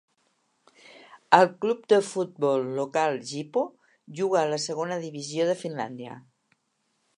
El club de futbol local Jippo juga a la Segona Divisió de Finlàndia.